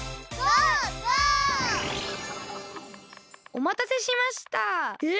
おまたせしましたえ！？